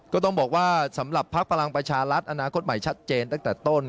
ก็ต้องบอกว่าสำหรับภักดิ์พลังประชารัฐอนาคตใหม่ชัดเจนตั้งแต่ต้น